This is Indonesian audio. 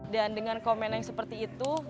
dan dengan komen yang seperti itu